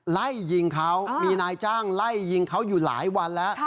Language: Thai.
ไล่ยิงเขามีนายจ้างไล่ยิงเขาอยู่หลายวันแล้ว